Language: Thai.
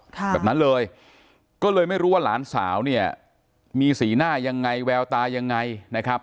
แบบนั้นเลยก็เลยไม่รู้ว่าหลานสาวเนี่ยมีสีหน้ายังไงแววตายังไงนะครับ